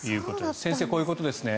先生、こういうことですね。